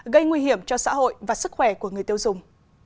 gây nguy hiểm cho xã hội và sức khỏe của người tiêu dùng